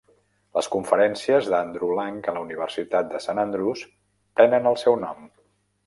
Les conferències d'Andrew Lang a la Universitat de Saint Andrews prenen el seu nom.